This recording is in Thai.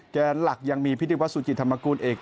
แกนหลักยังมีพิธีวัฒสุจิตธรรมกูลเอก